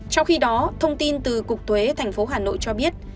trong khi đó thông tin từ cục tuế tp hà nội cho biết